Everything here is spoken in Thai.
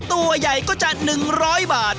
ตัวใหญ่ก็จะ๑๐๐บาท